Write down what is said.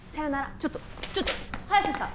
ちょっとちょっと早瀬さん